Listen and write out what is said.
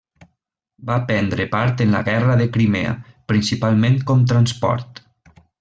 Va prendre part en la Guerra de Crimea, principalment com transport.